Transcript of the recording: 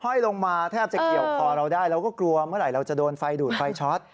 ห้อยลงมาแทบจะเกี่ยวคอเราได้เราก็กลัวเมื่อไหร่เราจะโดนไฟดูดไฟช็อต